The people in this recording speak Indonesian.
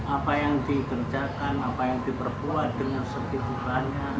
apa yang dikerjakan apa yang diperbuat dengan segitu hanya